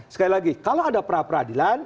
sekali lagi kalau ada pra peradilan